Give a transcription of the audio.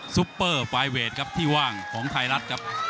ซุปเปอร์ไฟล์เวทครับที่ว่างของไทยรัฐครับ